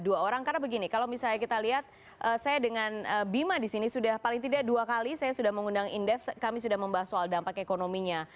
dua orang karena begini kalau misalnya kita lihat saya dengan bima disini sudah paling tidak dua kali saya sudah mengundang indef kami sudah membahas soal dampak ekonominya